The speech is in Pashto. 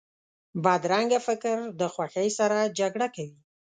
بدرنګه فکر د خوښۍ سره جګړه کوي